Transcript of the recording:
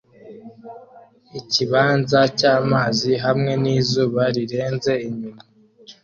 Ikibanza cyamazi hamwe nizuba rirenze inyuma